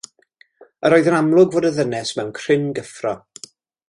Yr oedd yn amlwg fod y ddynes mewn cryn gyffro.